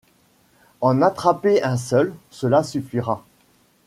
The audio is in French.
En attraper un seul : cela suffira.